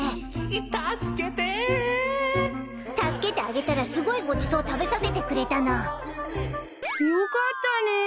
助けて！助けてあげたらすごいごちそう食べさせてくれたの。よかったね！